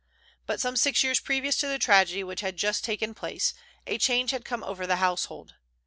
But some six years previous to the tragedy which had just taken place a change had come over the household.